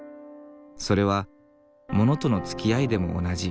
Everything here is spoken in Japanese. それは物とのつきあいでも同じ。